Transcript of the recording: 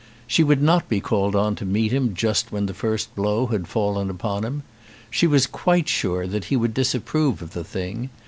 She would not be called on to meet him just when the first blow had fallen upon him. She was quite sure that he would disapprove of the thing.